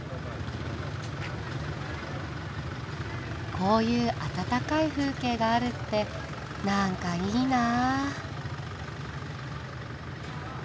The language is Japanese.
こういう温かい風景があるって何かいいなあ。